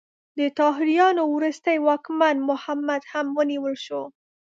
د طاهریانو وروستی واکمن محمد هم ونیول شو.